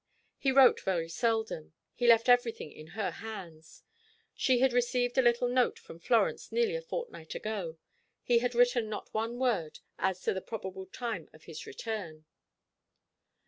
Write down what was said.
He wrote very seldom; he left everything in her hands. She had received a little note from Florence nearly a fortnight ago. He had written not one word as to the probable time of his return.